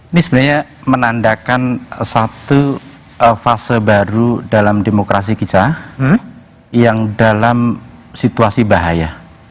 ini sebenarnya menandakan satu fase baru dalam demokrasi kita yang dalam situasi bahaya